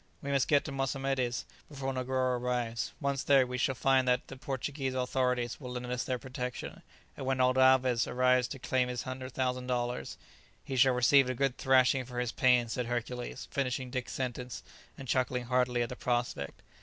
We must get to Mossamedes before Negoro arrives; once there, we shall find that the Portuguese authorities will lend us their protection, and when old Alvez arrives to claim his 100,000 dollars " "He shall receive a good thrashing for his pains," said Hercules, finishing Dick's sentence, and chuckling heartily at the prospect.